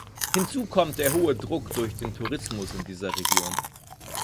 Hinzu kommt der hohe Druck durch den Tourismus in dieser Region.